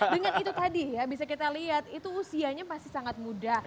dengan itu tadi ya bisa kita lihat itu usianya masih sangat muda